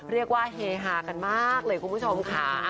เรียกว่าเฮฮากันมากเลยคุณผู้ชมค่ะ